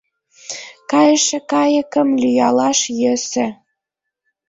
Кайыше кайыкым лӱялаш йӧсӧ.